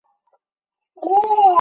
在我高中毕业时